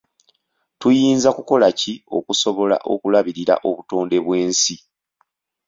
Tuyinza kukola ki okusobola okulabirira obutonde bw'ensi?